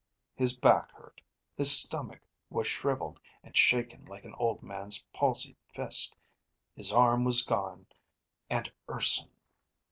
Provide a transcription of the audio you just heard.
His back hurt, his stomach was shriveled and shaken like an old man's palsied fist, his arm was gone, and Urson....